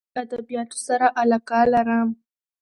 زه له ادبیاتو سره علاقه لرم.